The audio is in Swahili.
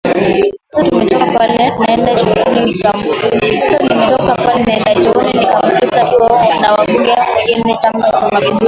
Sasa nimetoka pale naenda chooni nikamkuta akiwa na wabunge wengine wa Chama cha mapinduzi